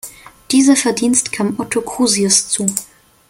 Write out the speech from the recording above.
Dieses Verdienst kam Otto Crusius zu.